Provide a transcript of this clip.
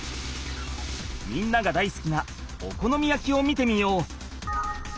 みんながだいすきなお好み焼きを見てみよう！